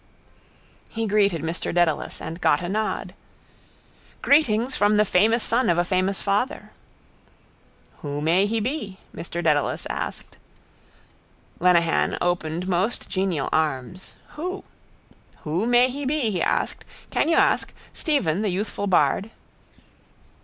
He greeted Mr Dedalus and got a nod. —Greetings from the famous son of a famous father. —Who may he be? Mr Dedalus asked. Lenehan opened most genial arms. Who? —Who may he be? he asked. Can you ask? Stephen, the youthful bard.